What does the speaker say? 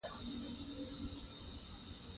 جلګه د افغانانو د ژوند طرز اغېزمنوي.